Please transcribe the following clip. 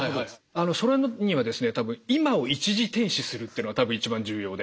それにはですね多分今を一時停止するっていうのが多分一番重要で。